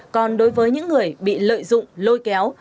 còn đối với những người bị lợi dụng lôi kéo